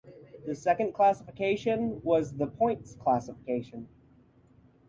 The second classification was the points classification.